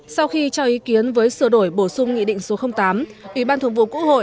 sau khi cho ý kiến với sửa đổi bổ sung nghị định số tám ủy ban thường vụ quốc hội